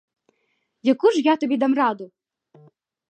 Яку ж я тобі дам раду?